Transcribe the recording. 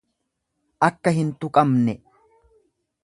Akka hin tuqamne